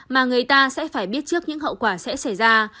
mà người ta sẽ phải biết trước những hậu quả sẽ xảy ra